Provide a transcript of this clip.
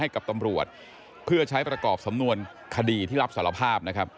กับตำรวจเพื่อใช้ประกอบสำนวนคดีที่รับสารภาพ